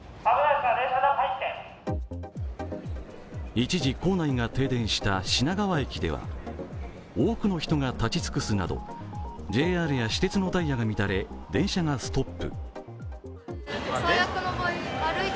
一時、構内が停電した品川駅では多くの人が立ち尽くすなどＪＲや私鉄のダイヤが乱れ、電車がストップ。